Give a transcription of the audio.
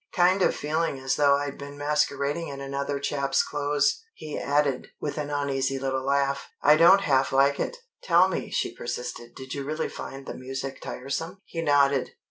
Kind of feeling as though I'd been masquerading in another chap's clothes," he added, with an uneasy little laugh. "I don't half like it." "Tell me," she persisted, "did you really find the music tiresome?" He nodded.